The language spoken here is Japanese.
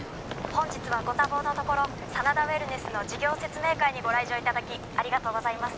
本日はご多忙のところ真田ウェルネスの事業説明会にご来場いただきありがとうございます